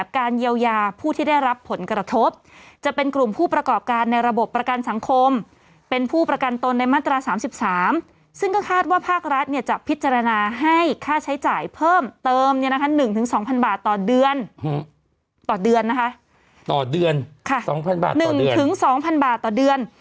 คาดว่าภาครัฐจะพิจารณาให้ค่าใช้จ่ายเพิ่มเติม๑๒๐๐๐บาทต่อเดือน